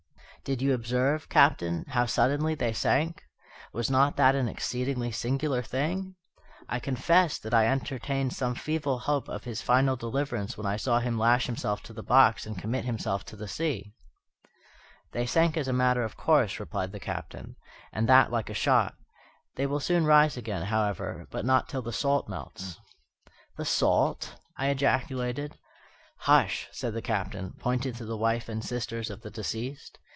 "Did you observe, Captain, how suddenly they sank? Was not that an exceedingly singular thing? I confess that I entertained some feeble hope of his final deliverance when I saw him lash himself to the box and commit himself to the sea." "They sank as a matter of course," replied the Captain, "and that like a shot. They will soon rise again, however, but not till the salt melts." "The salt!" I ejaculated. "Hush!" said the Captain, pointing to the wife and sisters of the deceased.